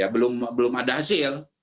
belum ada hasil